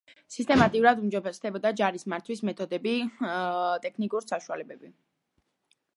სისტემატურად უმჯობესდებოდა ჯარის მართვის მეთოდები, ტექნიკური საშუალებები.